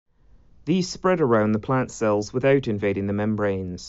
These spread around the plant cells without invading the membranes.